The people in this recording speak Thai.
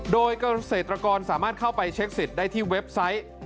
โดยเกษตรกรสามารถเข้าไปเช็คสิทธิ์ได้ที่เว็บไซต์